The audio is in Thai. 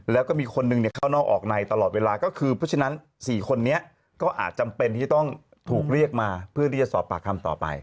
แล้วก็มีคนหนึ่งเข้านอกออกในตลอดเวลาก็คือเพราะฉะนั้น๔คนนี้ก็อาจจำเป็นที่จะต้องถูกเรียกมาเพื่อที่จะสอบปากคำต่อไป